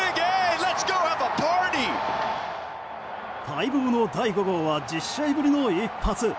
待望の第５号は１０試合ぶりの一発。